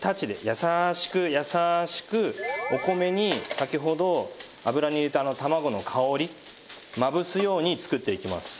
優しく優しくお米に先ほど油に入れたあの卵の香りまぶすように作っていきます。